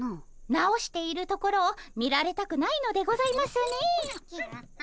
直しているところを見られたくないのでございますね。